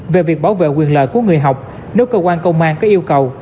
về việc bảo vệ quyền lợi của người học nếu cơ quan công an có yêu cầu